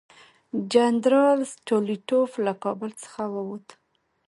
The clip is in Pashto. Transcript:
جنرال سټولیټوف له کابل څخه ووت.